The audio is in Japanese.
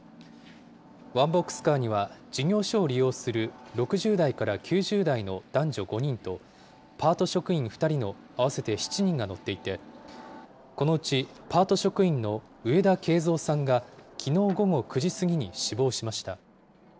ワンボックスカーには、事業所を利用する６０代から９０代の男女５人と、パート職員２人の合わせて７人が乗っていて、このうちパート職員の上田敬三さんが、きのう午後９時過ぎに死亡しました。